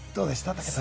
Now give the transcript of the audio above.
武田さん。